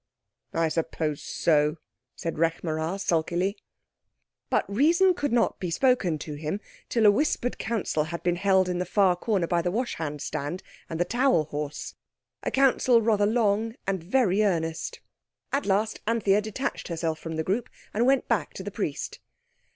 "I suppose so," said Rekh marā sulkily. But reason could not be spoken to him till a whispered counsel had been held in the far corner by the washhand stand and the towel horse, a counsel rather long and very earnest. At last Anthea detached herself from the group, and went back to the Priest.